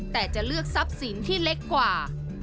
แต่จะเลือกทรัพย์สินที่เล็กกว่า